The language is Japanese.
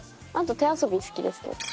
あと手遊び好きですよ。